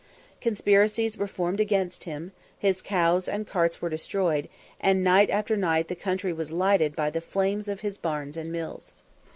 Conspiracies were formed against him, his cows and carts were destroyed, and night after night the country was lighted by the flames of his barns and mills.